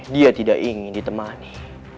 dia tidak ingin ditemani